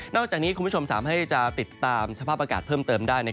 อกจากนี้คุณผู้ชมสามารถให้จะติดตามสภาพอากาศเพิ่มเติมได้